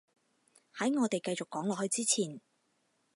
喺我哋繼續講落去之前